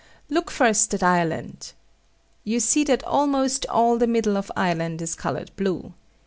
Look first at Ireland. You see that almost all the middle of Ireland is coloured blue.